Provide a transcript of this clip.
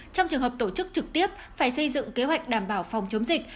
trong trường hợp tổ chức trực tiếp phải xây dựng kế hoạch đảm bảo phòng chống dịch